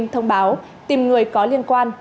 thông báo tìm người có liên quan